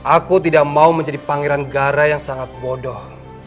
aku tidak mau menjadi pangeran gara yang sangat bodoh